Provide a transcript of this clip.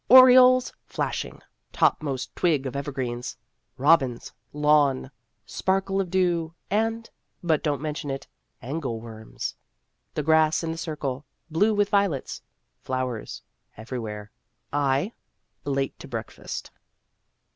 Orioles flashing topmost twig of evergreens. Robins lawn sparkle of dew and but don't mention it angle worms. The grass in the Circle blue with violets. Flowers everywhere. I late to breakfast.